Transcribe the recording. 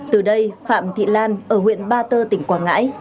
từ đây phạm thị lan ở huyện ba tơ tỉnh quảng ngãi